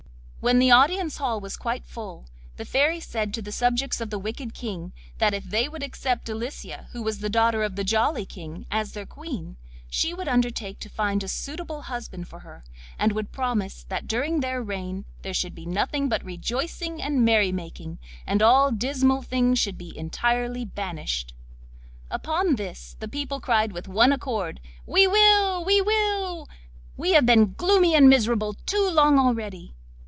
When the audience hall was quite full, the Fairy said to the subjects of the Wicked King that if they would accept Delicia, who was the daughter of the Jolly King, as their Queen, she would undertake to find a suitable husband for her, and would promise that during their reign there should be nothing but rejoicing and merry making, and all dismal things should be entirely banished. Upon this the people cried with one accord, 'We will, we will! we have been gloomy and miserable too long already.